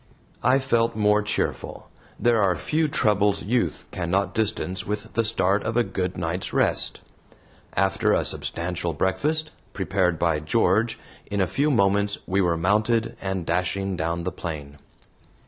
I felt more cheerful there are few troubles Youth cannot distance with the start of a good night's rest. After a substantial breakfast, prepared by George, in a few moments we were mounted and dashing down the plain.